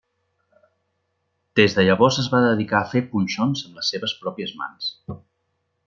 Des de llavors es va dedicar a fer punxons amb les seves pròpies mans.